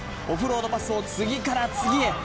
オフロードパスを次から次へ。